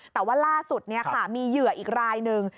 แต่ว่าล่าสุดมีเหยื่ออีกรายหนึ่ง